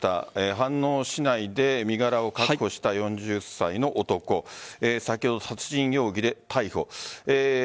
飯能市内で身柄を確保した４０歳の男を先ほど、殺人容疑で逮捕。